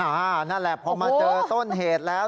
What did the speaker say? นั่นแหละพอมาเจอต้นเหตุแล้ว